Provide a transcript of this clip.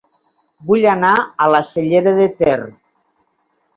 Vull anar a La Cellera de Ter